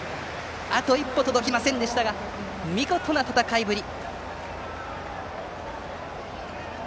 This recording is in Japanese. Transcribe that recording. あと一歩届きませんでしたが見事な戦いぶり。